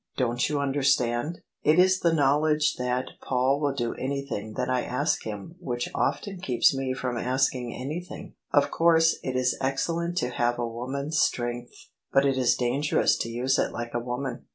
Don't you understand: it is the knowledge that THE SUBJECTION Paul will do anything that I ask him which often keeps me from asking anything? Of course it is excellent to have a woman's strength, but it is dangerous to use it like a woman."